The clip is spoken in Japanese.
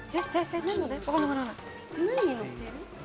「何に乗っている」？